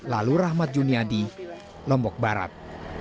lalu rahmat juniadi lombok barat